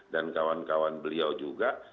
dan kawan kawan beliau juga